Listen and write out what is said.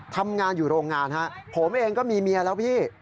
ทำงานอยู่โรงงานฮะผมเองก็มีเมียแล้วพี่